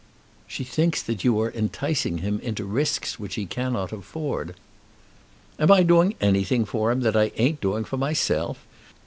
"She thinks that you are enticing him into risks which he cannot afford." "Am I doing anything for him that I ain't doing for myself!